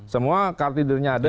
semua card tethernya ada